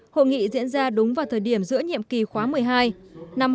hội nghị diễn ra đúng vào thời điểm giữa nhiệm kỳ khóa một mươi hai